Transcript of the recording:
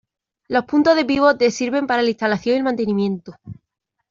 Los puntos de pivote sirven para la instalación y el mantenimiento.